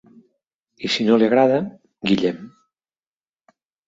I si no li agrada, Guillem.